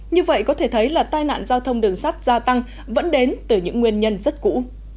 như vậy có thể thấy là tai nạn giao thông đường sắt gia tăng vẫn đến từ những nguyên nhân rất cũ